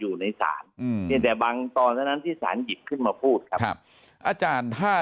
อยู่ในศาลเนี่ยแต่บางตอนเท่านั้นที่สารหยิบขึ้นมาพูดครับอาจารย์ถ้า